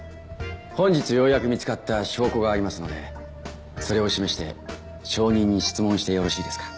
本日ようやく見つかった証拠がありますのでそれを示して証人に質問してよろしいですか？